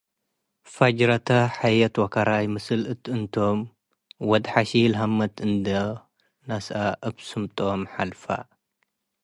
ፈጅራተ ሐየት ወከራይ ምስል እት እንቶም፡ ወድ ሐሺል ሀወት እንዶ ነስአ እብ ለስምጦም ሐልፈ።